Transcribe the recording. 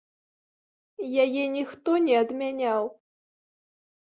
Яе ніхто не адмяняў!